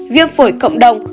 viêm phổi cộng đồng